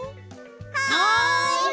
はい！